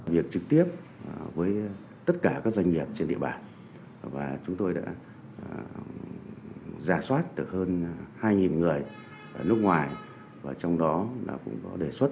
việc trực tiếp với tất cả các doanh nghiệp trên địa bàn và chúng tôi đã giả soát được hơn hai đồng